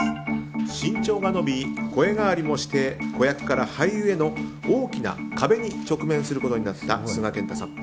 身長が伸び、声変わりもして子役から俳優への大きな壁に直面することになった須賀健太さん。